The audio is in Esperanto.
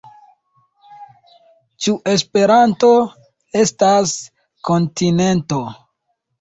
Ĉu Esperanto estas kontinento?